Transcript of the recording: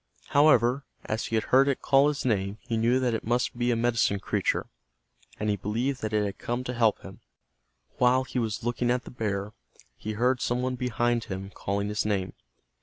However, as he had heard it call his name he knew that it must be a medicine creature, and he believed that it had come to help him. While he was looking at the bear, he heard some one behind, him calling his name.